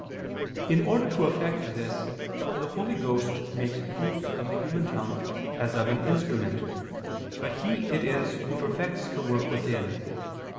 In order to effect this the Holy Ghost makes use of the human tongue as of an instrument; but He it is Who perfects the work within.